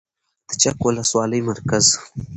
د چک ولسوالۍ مرکز